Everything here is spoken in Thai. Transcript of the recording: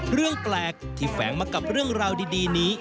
เรื่องแปลกที่แฝงมากับเรื่องราวดีนี้